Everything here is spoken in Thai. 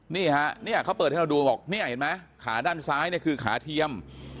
นี่ฮะเนี่ยเขาเปิดให้เราดูบอกเนี่ยเห็นไหมขาด้านซ้ายเนี่ยคือขาเทียม